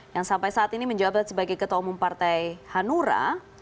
yang sampai saat ini menjabat sebagai ketua umum partai hanura